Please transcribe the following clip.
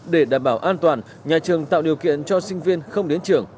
để đảm bảo an toàn nhà trường tạo điều kiện cho sinh viên không đến trường